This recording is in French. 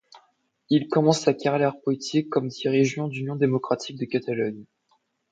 Il commence sa carrière politique comme dirigeant d’Union démocratique de Catalogne.